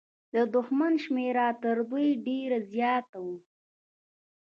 د دښمن شمېر تر دوی ډېر زيات و.